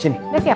sini udah siap